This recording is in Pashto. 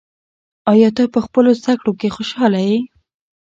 آیا ته په خپلو زده کړو کې خوشحاله یې؟